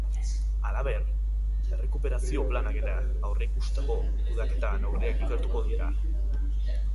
Halaber, errekuperazio planak eta aurreikusitako kudeaketa neurriak ikertuko dira.